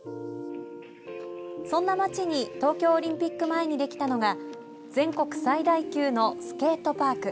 そんな街に東京オリンピック前にできたのが全国最大級のスケートパーク。